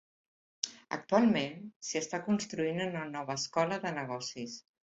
Actualment, s'hi està construint una nova escola de negocis.